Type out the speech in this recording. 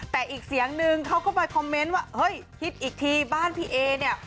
แต่อีกเสียงนึงเขาก็ไปคอมเมนต์ว่าเฮ้ยคิดอีกทีบ้านพี่เอเนี่ย